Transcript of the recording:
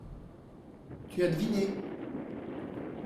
Tu as deviné.